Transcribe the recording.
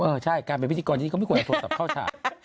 เออใช่การเป็นพิธีกรอยู่นี้ก็ไม่ควรเอาโทรศัพท์เข้าฉาก